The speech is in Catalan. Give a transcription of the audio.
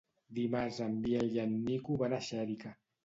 Dimarts en Biel i en Nico van a Xèrica.